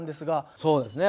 そうですね。